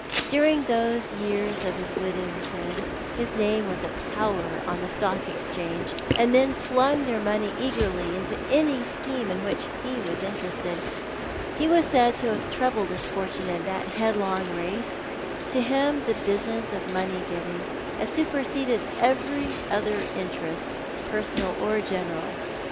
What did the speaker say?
During those years of his widowhood his name was a power on the Stock Exchange, and men flung their money eagerly into any scheme in which he was interested. He was said to have trebled his fortune in that headlong race. To him the business of money getting had superseded every other interest, personal or general.